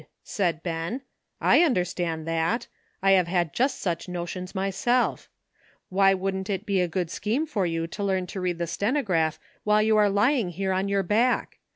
said Ben, ''I understand that; I have had just such notions myself. Why wouldn't it be a good scheme for you to learn to read the stenograph while you are lying here on your back?